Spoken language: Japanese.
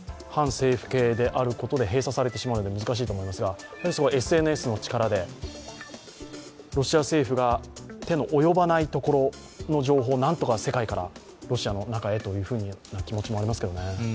反政府系であることで閉鎖されてしまうので難しいと思いますがＳＮＳの力でロシア政府が手の及ばないところの情報をなんとか世界からロシアの中へという気持ちもありますけどね。